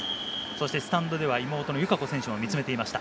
スタンドでは妹の友香子選手も見つめていました。